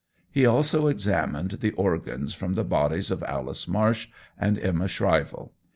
He also examined the organs from the bodies of Alice Marsh and Emma Shrivell.